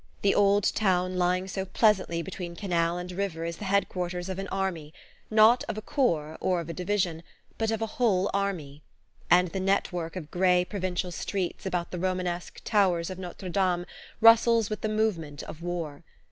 The old town lying so pleasantly between canal and river is the Head quarters of an army not of a corps or of a division, but of a whole army and the network of grey provincial streets about the Romanesque towers of Notre Dame rustles with the movement of war.